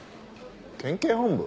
県警本部？